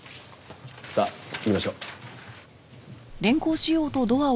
さあ行きましょう。